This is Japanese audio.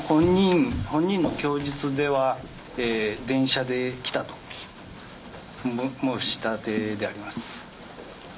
本人の供述では、電車で来たという申し立てであります。